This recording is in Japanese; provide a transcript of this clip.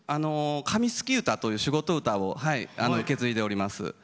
紙すき唄という仕事歌を受け継いでおります。